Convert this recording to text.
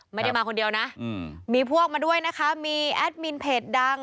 ไม่ได้มาคนเดียวนะมีพวกมาด้วยนะคะมีแอดมินเพจดัง